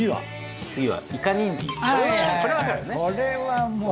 これはもう。